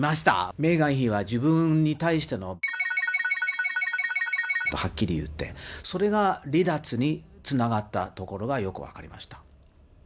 メーガン妃は自分に対しての×××とはっきり言って、それが離脱につながったところが、よく分かりました。